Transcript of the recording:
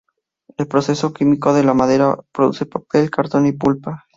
El procesado químico de la madera produce papel, cartón y pulpa.